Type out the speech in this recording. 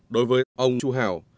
đối với ông chú hảo